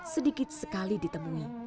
sedikit sekali ditemui